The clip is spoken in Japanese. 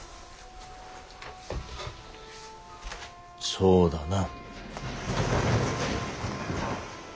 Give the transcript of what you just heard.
そうだな。